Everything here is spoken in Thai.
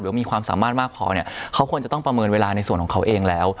มีความสามารถมากพอเนี่ยเขาควรจะต้องประเมินเวลาในส่วนของเขาเองแล้ว